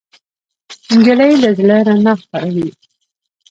نجلۍ له زړه رڼا خپروي.